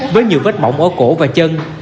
với nhiều vết mỏng ở cổ và chân